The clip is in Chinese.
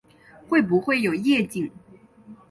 会不会有夜景